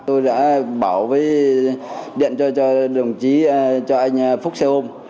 tôi đã bảo với điện cho đồng chí cho anh phúc xe ôm